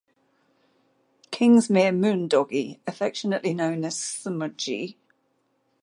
Kingsmere Moondoggie, affectionately known as Smudgie.